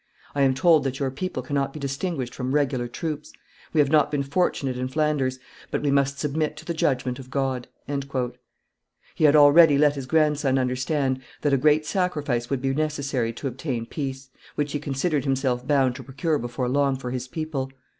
I am told that your people cannot be distinguished from regular troops. We have not been fortunate in Flanders, but we must submit to the judgment of God." He had already let his grandson understand that a great sacrifice would be necessary to obtain peace, which he considered himself bound to procure before long for his people.